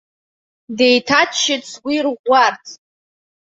Деиҭаччеит сгәы ирӷәӷәарц.